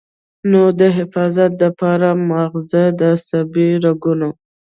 نو د حفاظت له پاره مازغۀ د عصبي رګونو